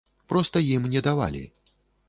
Проста ім не давалі.